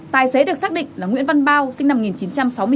tài xế được xác định là nguyễn văn bao sinh năm một nghìn chín trăm sáu mươi bốn